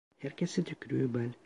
Herkese tükrüğü bal.